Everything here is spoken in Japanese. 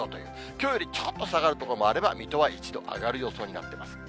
きょうよりちょっと下がる所もあれば、水戸は１度上がる予想になっています。